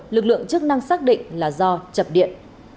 lực lượng chức năng xác định là do chập điện